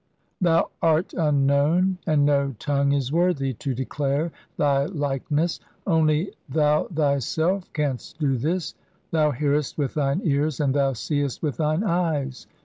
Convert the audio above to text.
Thou art unknown, and no tongue "is worthy (?) to declare thy likeness ; only thou thy "self [canst do this]. Thou hearest with thine ears, "and thou seest • with thine eyes.